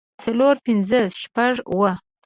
څلور پنځۀ شپږ اووه